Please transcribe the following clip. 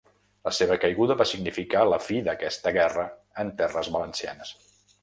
La seva caiguda va significar la fi d'aquesta guerra en terres valencianes.